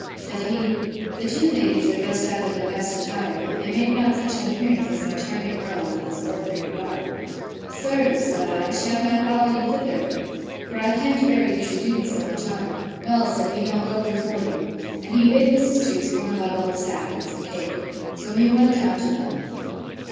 Said he, The two young ladies are dressed out in their best attire; but they make not such an appearance as my charming girl in this ordinary garb.—Sir, said I, shan't I follow you thither? For I can't bear you should do me so much honour. Well, said he, I'll go before you. And he bid Mrs. Jewkes bring a bottle of sack, and some cake. So he went down to them.